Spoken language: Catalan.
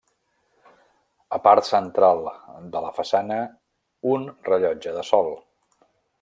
A part central de la façana, un rellotge de sol.